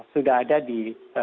sudah ada di